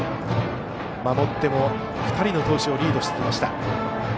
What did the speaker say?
守っても２人の投手をリードしてきました。